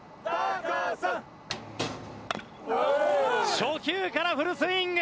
初球からフルスイング！